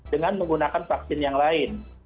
dengan menggunakan vaksin yang lain